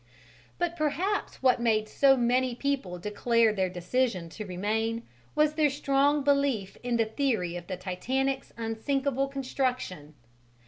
But perhaps what made so many people declare their decision to remain was their strong belief in the theory of the Titanic's unsinkable construction.